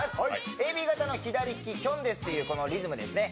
「ＡＢ型の左利き、きょんです！」というこのリズムですね。